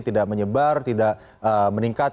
tidak menyebar tidak meningkat